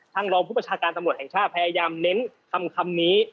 รองผู้ประชาการตำรวจแห่งชาติพยายามเน้นคำนี้